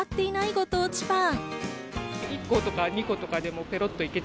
ご当地パン。